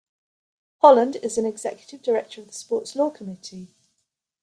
Holland is an executive director of the Sports Law Committee.